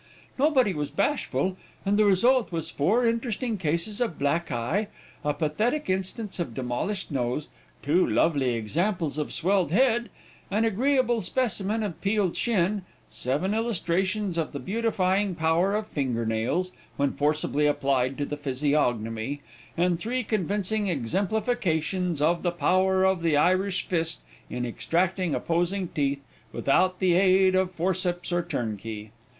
Nobody was bashful, and the result was four interesting cases of black eye, a pathetic instance of demolished nose, two lovely examples of swelled head, an agreeable specimen of peeled shin, seven illustrations of the beautifying power of finger nails, when forcibly applied to the physiognomy, and three convincing exemplifications of the power of the Irish fist in extracting opposing teeth, without the aid of forceps or turnkey.